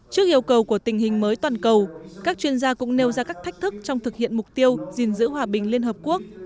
trước yêu cầu của tình hình mới toàn cầu các chuyên gia cũng nêu ra các thách thức trong thực hiện mục tiêu gìn giữ hòa bình liên hợp quốc